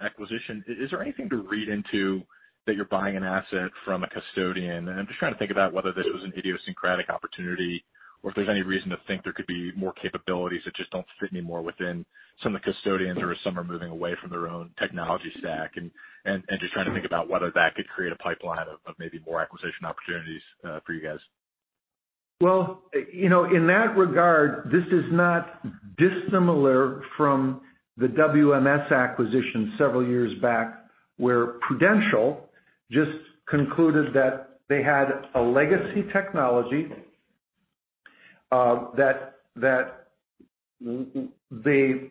acquisition. Is there anything to read into that you're buying an asset from a custodian? I'm just trying to think about whether this was an idiosyncratic opportunity or if there's any reason to think there could be more capabilities that just don't fit anymore within some of the custodians, or if some are moving away from their own technology stack. Just trying to think about whether that could create a pipeline of maybe more acquisition opportunities for you guys. Well, in that regard, this is not dissimilar from the WMS acquisition several years back, where Prudential just concluded that they had a legacy technology, that they concluded they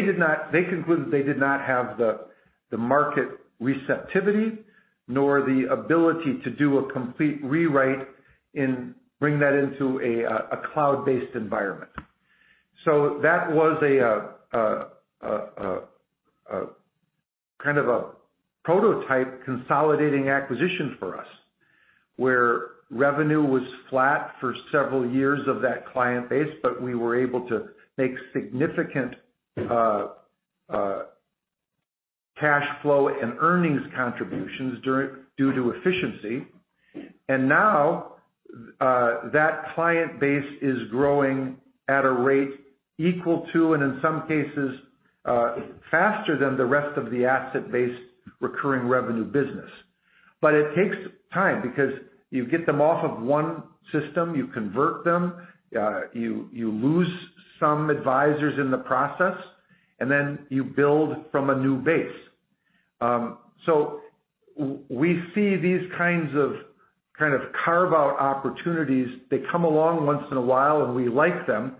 did not have the market receptivity nor the ability to do a complete rewrite and bring that into a cloud-based environment. That was a kind of a prototype consolidating acquisition for us, where revenue was flat for several years of that client base, but we were able to make significant cash flow and earnings contributions due to efficiency. Now, that client base is growing at a rate equal to, and in some cases, faster than the rest of the asset-based recurring revenue business. It takes time because you get them off of one system, you convert them, you lose some advisors in the process, and then you build from a new base. We see these kinds of carve-out opportunities. They come along once in a while, we like them,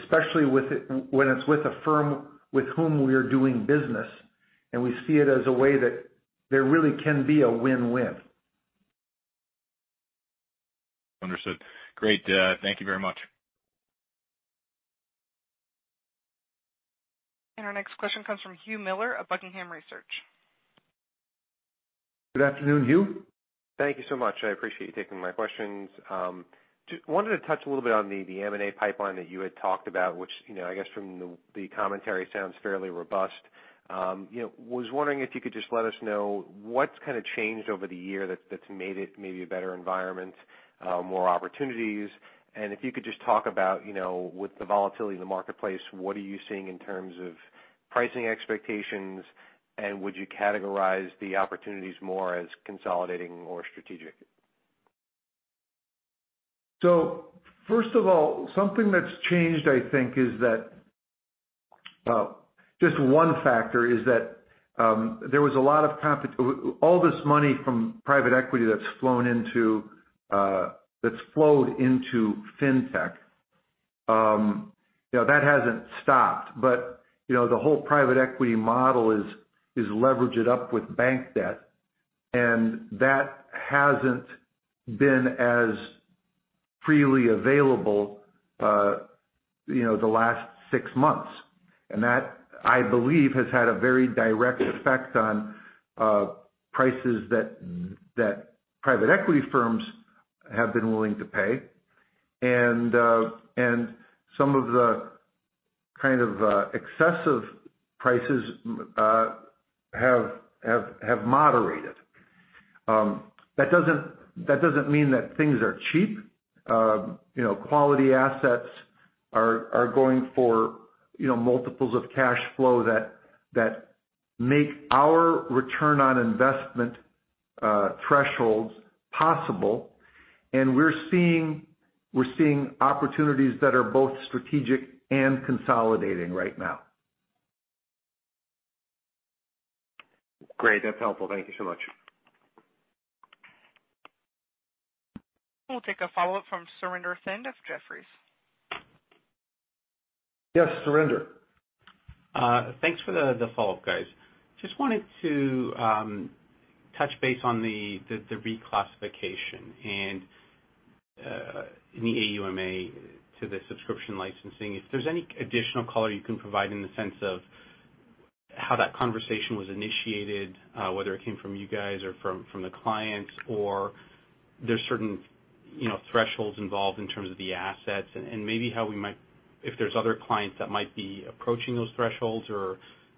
especially when it's with a firm with whom we are doing business, we see it as a way that there really can be a win-win. Understood. Great. Thank you very much. Our next question comes from Hugh Miller of Buckingham Research. Good afternoon, Hugh. Thank you so much. I appreciate you taking my questions. Wanted to touch a little bit on the M&A pipeline that you had talked about, which I guess from the commentary sounds fairly robust. Was wondering if you could just let us know what's kind of changed over the year that's made it maybe a better environment, more opportunities? If you could just talk about with the volatility in the marketplace, what are you seeing in terms of pricing expectations, and would you categorize the opportunities more as consolidating or strategic? First of all, something that's changed, I think, just one factor is that all this money from private equity that's flowed into Fintech, that hasn't stopped. The whole private equity model is leveraged up with bank debt, and that hasn't been as freely available the last 6 months. That, I believe, has had a very direct effect on prices that private equity firms have been willing to pay. Some of the kind of excessive prices have moderated. That doesn't mean that things are cheap. Quality assets are going for multiples of cash flow that make our return on investment thresholds possible. We're seeing opportunities that are both strategic and consolidating right now. Great. That's helpful. Thank you so much. We'll take a follow-up from Surinder Thind of Jefferies. Yes, Surinder. Thanks for the follow-up, guys. Just wanted to touch base on the reclassification and the AUMA to the subscription licensing. If there's any additional color you can provide in the sense of how that conversation was initiated, whether it came from you guys or from the clients, or there's certain thresholds involved in terms of the assets and maybe if there's other clients that might be approaching those thresholds, or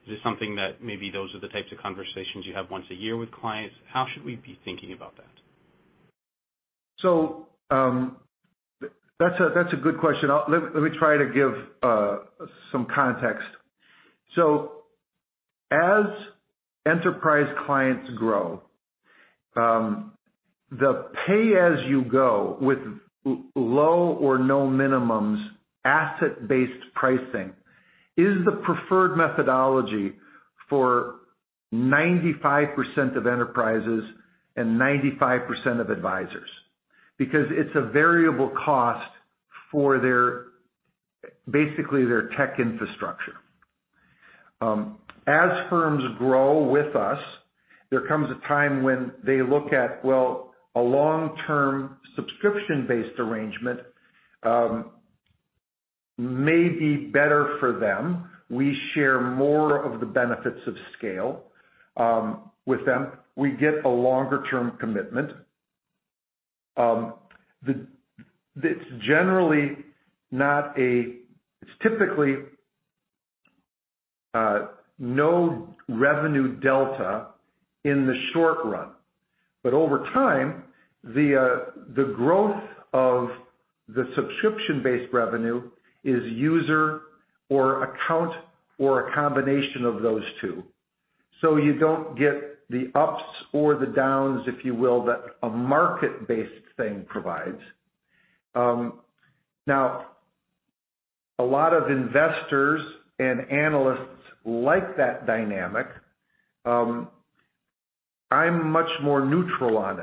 is this something that maybe those are the types of conversations you have once a year with clients? How should we be thinking about that? That's a good question. Let me try to give some context. As enterprise clients grow, the pay-as-you-go with low or no minimums asset-based pricing is the preferred methodology for 95% of enterprises and 95% of advisors because it's a variable cost for basically their tech infrastructure. As firms grow with us, there comes a time when they look at, well, a long-term subscription-based arrangement may be better for them. We share more of the benefits of scale with them. We get a longer-term commitment. It's typically no revenue delta in the short run, but over time, the growth of the subscription-based revenue is user or account or a combination of those two. You don't get the ups or the downs, if you will, that a market-based thing provides. A lot of investors and analysts like that dynamic. I'm much more neutral on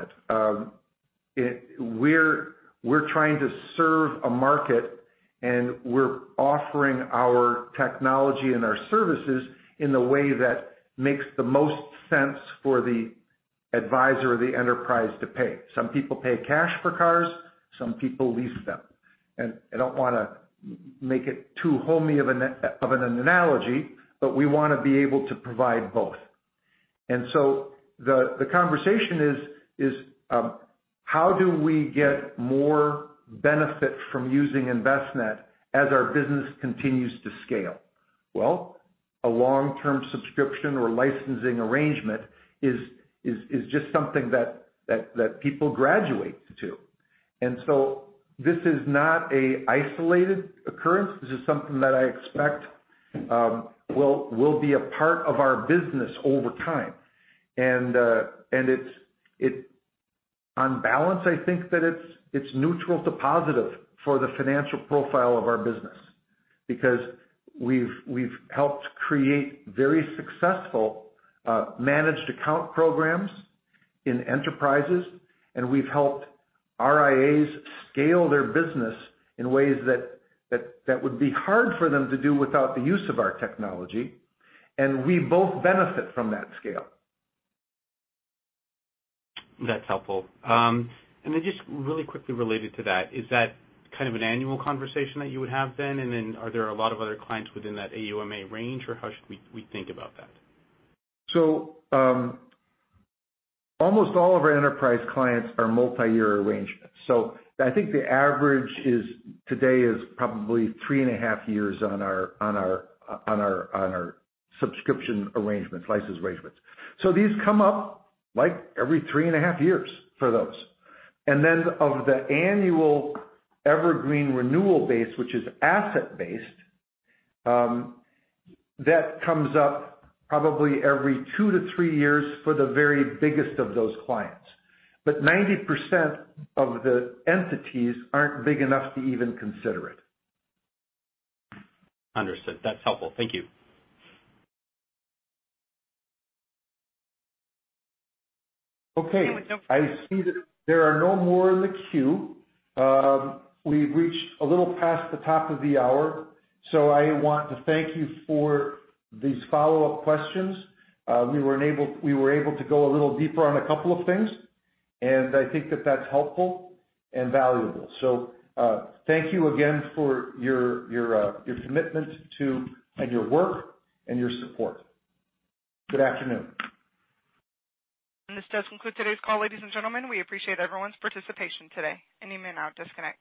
it. We're trying to serve a market, and we're offering our technology and our services in the way that makes the most sense for the advisor or the enterprise to pay. Some people pay cash for cars, some people lease them. I don't want to make it too homey of an analogy, but we want to be able to provide both. The conversation is, how do we get more benefit from using Envestnet as our business continues to scale? Well, a long-term subscription or licensing arrangement is just something that people graduate to. This is not an isolated occurrence. This is something that I expect will be a part of our business over time. On balance, I think that it's neutral to positive for the financial profile of our business, because we've helped create very successful managed account programs in enterprises, and we've helped RIAs scale their business in ways that would be hard for them to do without the use of our technology. We both benefit from that scale. That's helpful. Just really quickly related to that, is that kind of an annual conversation that you would have then? Are there a lot of other clients within that AUMA range, or how should we think about that? Almost all of our enterprise clients are multi-year arrangements. I think the average today is probably three and a half years on our subscription arrangements, license arrangements. These come up every three and a half years for those. Of the annual evergreen renewal base, which is asset-based, that comes up probably every two to three years for the very biggest of those clients. 90% of the entities aren't big enough to even consider it. Understood. That's helpful. Thank you. Okay. I see that there are no more in the queue. We've reached a little past the top of the hour, so I want to thank you for these follow-up questions. We were able to go a little deeper on a couple of things, and I think that that's helpful and valuable. Thank you again for your commitment and your work and your support. Good afternoon. This does conclude today's call, ladies and gentlemen. We appreciate everyone's participation today. You may now disconnect.